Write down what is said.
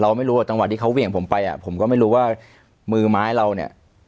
ไม่รู้ว่าจังหวะที่เขาเหวี่ยงผมไปอ่ะผมก็ไม่รู้ว่ามือไม้เราเนี่ย